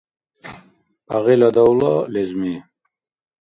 ПӀягъила давла — лезми.